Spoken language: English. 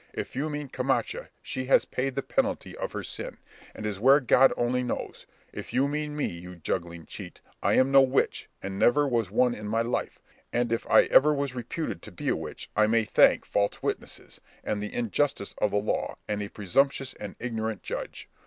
If you mean Camacha, she has paid the penalty of her sin, and is where God only knows; if you mean me, you juggling cheat, I am no witch, and never was one in my life; and if I ever was reputed to be a witch, I may thank false witnesses, and the injustice of the law, and a presumptuous and ignorant judge.